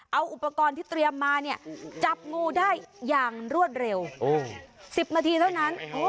เอาอุปกรณ์ที่เตรียมมาเนี่ยจับงูได้อย่างรวดเร็ว๑๐นาทีเท่านั้น